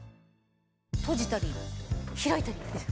閉じたり開いたり。